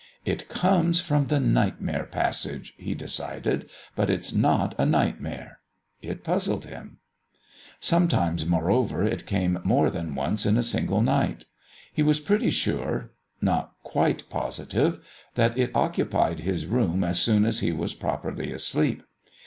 "It comes from the Nightmare Passage," he decided; "but it's not a nightmare." It puzzled him. Sometimes, moreover, it came more than once in a single night. He was pretty sure not quite positive that it occupied his room as soon as he was properly asleep.